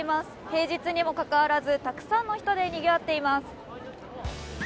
平日にもかかわらず、たくさんの人でにぎわっています。